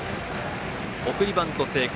送りバント成功。